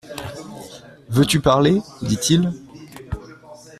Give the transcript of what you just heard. Veux-tu parler ? dit-il.